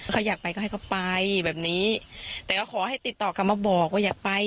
เขาอยากไปก็ให้เขาไปแบบนี้แต่ก็ขอให้ติดต่อกลับมาบอกว่าอยากไป